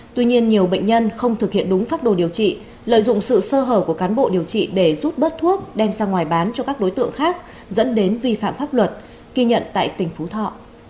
tuy nhiên nhiều bệnh nhân không thực hiện đúng pháp đồ điều trị lợi dụng sự sơ hở của cán bộ điều trị để rút bớt thuốc đem ra ngoài bán cho các đối tượng khác dẫn đến vi phạm pháp luật ghi nhận tại tỉnh phú thọ